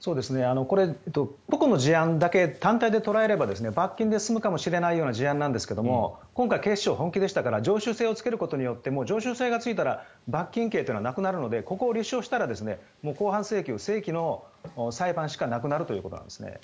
個々の事案だけ単体で見れば罰金で済むかもしれないような事案ですが今回、警視庁は本気でしたから常習性をつけることによって常習性がついたら罰金刑というのはなくなるのでここを立証したら公判請求正規の裁判しかなくなるということです。